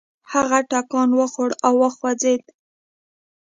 هغه ټکان وخوړ او وخوځېد.